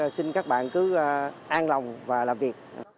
xin các bạn cứ an lòng và làm việc